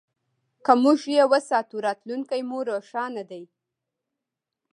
که موږ یې وساتو، راتلونکی مو روښانه دی.